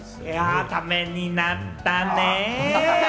ためになったね！